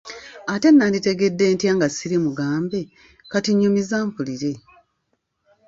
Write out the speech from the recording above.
Ate nandikitegedde ntya nga ssiri mugambe, kati nyumiza mpulire.